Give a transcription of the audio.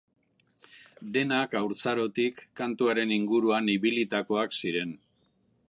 Denak haurtzarotik kantuaren inguruan ibilitakoak ziren.